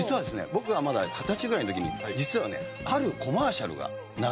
僕がまだ二十歳ぐらいの時に実はねあるコマーシャルが流れるんですね。